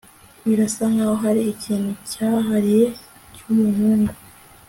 birasa nkaho hari ikintu cyihariye cyumuhungu